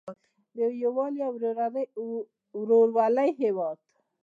د یووالي او ورورولۍ هیواد.